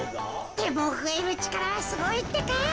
でもふえるちからはすごいってか。